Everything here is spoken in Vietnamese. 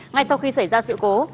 ngay sau khi xảy ra sự cố